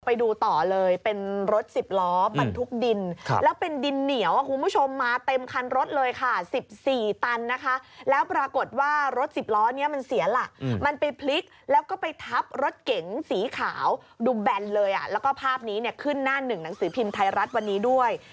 ไปดูต่อเลยเป็นรถสิบล้อบรรทุกดินแล้วเป็นดินเหนียวคุณผู้ชมมาเต็มคันรถเลยค่ะ๑๔ตันนะคะแล้วปรากฏว่ารถสิบล้อนี้มันเสียหลักมันไปพลิกแล้วก็ไปทับรถเก๋งสีขาวดูแบนเลยอ่ะแล้วก็ภาพนี้เนี่ยขึ้นหน้าหนึ่งหนังสือพิมพ์ไทยรัฐวันนี้ด้วย